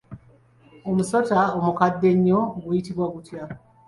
Omusota omukadde ennyo guyitibwa gutya?